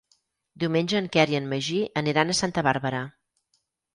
Diumenge en Quer i en Magí aniran a Santa Bàrbara.